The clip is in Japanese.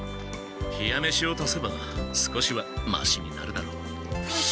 冷や飯を足せば少しはマシになるだろう。